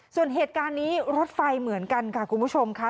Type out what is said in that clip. ส่วนเหตุการณ์นี้รถไฟเหมือนกันค่ะคุณผู้ชมค่ะ